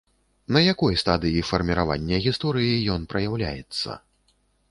На якой стадыі фарміравання гісторыі ён праяўляецца?